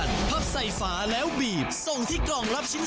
ได้แล้วฝาคันโซคุณสองด้วย